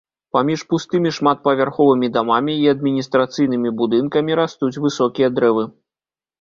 Паміж пустымі шматпавярховымі дамамі і адміністрацыйнымі будынкамі растуць высокія дрэвы.